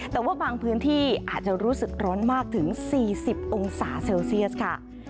แต่ว่าบางพื้นที่อาจจะรู้สึกร้อนมากถึง๔๐องศาเซลเซียสค่ะ